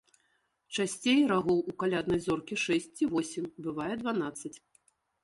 Часцей рагоў у каляднай зоркі шэсць ці восем, бывае дванаццаць.